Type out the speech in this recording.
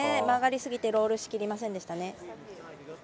曲がりすぎてロールしきりませんでした。